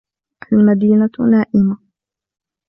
المدينة نائمة